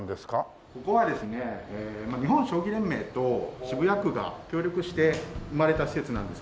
ここはですね日本将棋連盟と渋谷区が協力して生まれた施設なんですけれども。